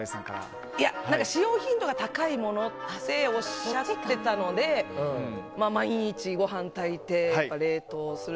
使用頻度が高いものとおっしゃっていたので毎日ご飯炊いて冷凍する。